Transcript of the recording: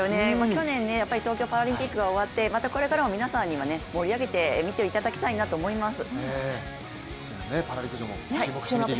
去年東京パラリンピックが終わってまた皆さんには盛り上げてみていただきたいなと思います。